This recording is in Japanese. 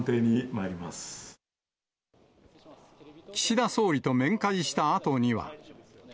岸田総理と面会したあとには。